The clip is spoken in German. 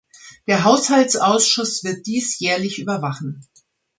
Der Haushaltsausschuss wird dies jährlich überwachen.